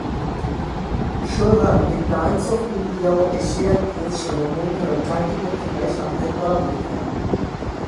Shobha De Times of India ও Asian Age সহ মূলধারার চারটি পত্রিকায় সাপ্তাহিক কলাম লেখেন।